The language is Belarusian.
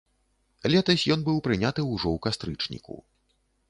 Летась ён быў прыняты ўжо ў кастрычніку.